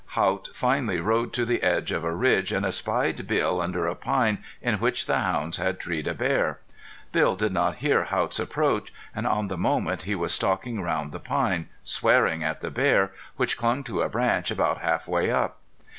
Haught finally rode to the edge of a ridge and espied Bill under a pine in which the hounds had treed a bear. Bill did not hear Haught's approach, and on the moment he was stalking round the pine, swearing at the bear, which clung to a branch about half way up.